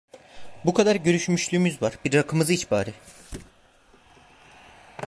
Bu kadar görüşmüşlüğümüz var, bir rakımızı iç bari…